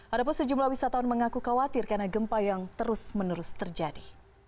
ada pun sejumlah wisatawan mengaku khawatir karena gempa yang terus menerus terjadi